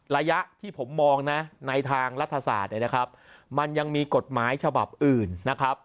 ระยะที่ผมมองนะในทางรัฐศาสตร์เนี่ยนะครับมันยังมีกฎหมายฉบับอื่นนะครับ